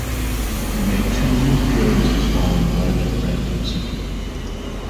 He made two appearances whilst on loan at Bradford City.